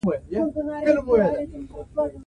ازادي راډیو د اقلیتونه په اړه د عبرت کیسې خبر کړي.